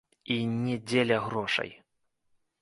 І не дзеля грошай.